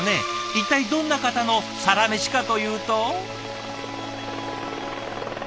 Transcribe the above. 一体どんな方のサラメシかというと。